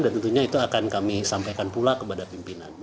dan tentunya itu akan kami sampaikan pula kepada pimpinan